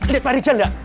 lihat pak rijal enggak